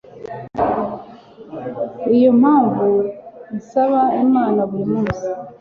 niyo mpamvu nsaba imana buri munsi